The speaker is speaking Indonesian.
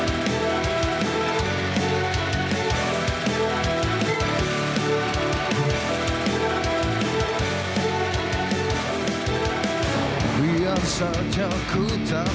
exile acaranya sekarang